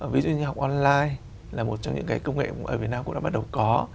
ví dụ như học online là một trong những cái công nghệ ở việt nam cũng đã bắt đầu có